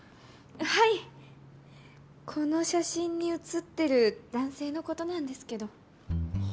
はいこの写真に写ってる男性のことなんですけど。